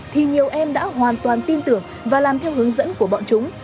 thì nhiều em đã hoàn toàn tin tưởng và làm theo hướng dẫn của bọn chúng